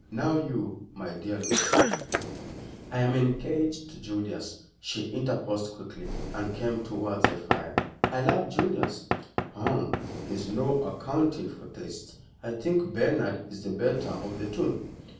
Now you, my dear Lucy " "I am engaged to Julius," she interposed quickly, and came towards the fire. "I love Julius." "Hum! there's no accounting for tastes. I think Bernard is the better of the two."